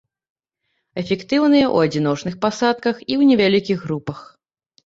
Эфектыўная ў адзіночных пасадках і ў невялікіх групах.